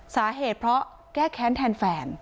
สาเหตุเพราะแก้แค้นแทนแฟน